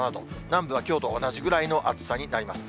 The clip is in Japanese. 南部はきょうと同じぐらいの暑さになります。